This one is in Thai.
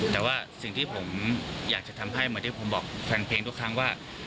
แต่ว่าสิ่งที่ผมอยากจะทำให้เหมือนที่ผมบอกแฟนเพลงทุกครั้งว่า